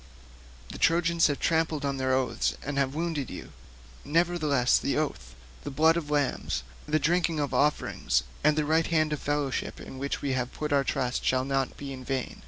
The Trojans have trampled on their oaths and have wounded you; nevertheless the oath, the blood of lambs, the drink offerings and the right hands of fellowship in which we have put our trust shall not be vain.